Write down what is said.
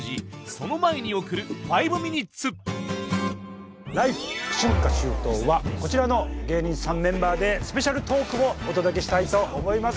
その前に送る「５ミニッツ」「ＬＩＦＥ！春夏秋冬」はこちらの芸人さんメンバーでスペシャルトークをお届けしたいと思います。